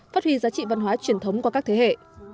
phát huy giá trị văn hóa truyền thống qua các thế hệ